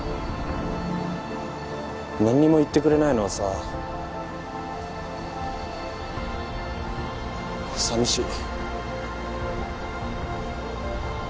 なんにも言ってくれないのはさ寂しい。